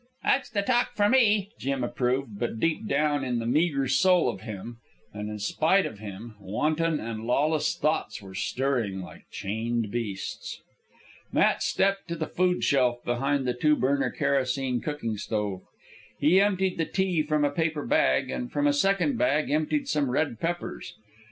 "That's the talk for me," Jim approved, but deep down in the meagre soul of him, and in spite of him, wanton and lawless thoughts were stirring like chained beasts. Matt stepped to the food shelf behind the two burner kerosene cooking stove. He emptied the tea from a paper bag, and from a second bag emptied some red peppers.